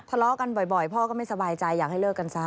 ทะเลาะกันบ่อยพ่อก็ไม่สบายใจอยากให้เลิกกันซะ